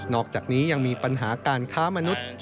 อกจากนี้ยังมีปัญหาการค้ามนุษย์